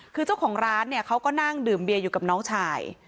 คือเจ้าของร้านเนี่ยเขาก็นั่งดื่มเบียอยู่กับน้องชาย